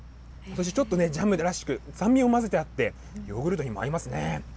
ちょっとね、ジャムらしく酸味も混ぜてあって、ヨーグルトにも合いますね。